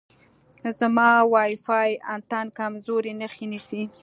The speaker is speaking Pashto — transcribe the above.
زما وای فای انتن کمزورې نښې نیسي.